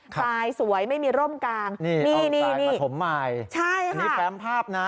ค่ะสวยไม่มีร่มกลางนี่นี่นี่มาถมใหม่ใช่ค่ะนี่แฟมภาพน่ะ